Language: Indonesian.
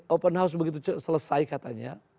open house begitu selesai katanya